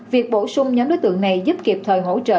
việc bổ sung nhóm đối tượng này giúp kịp thời hỗ trợ